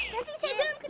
nanti saya bilang ketahuan